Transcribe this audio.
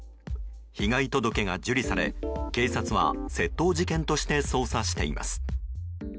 被害届が受理され警察は窃盗事件として捜査しています。